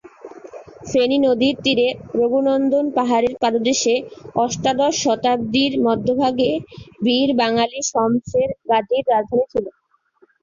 ফেনী নদীর তীরে রঘুনন্দন পাহাড়ের পাদদেশে অষ্টাদশ শতাব্দীর মধ্যভাগে বীর বাঙ্গালী শমসের গাজীর রাজধানী ছিল।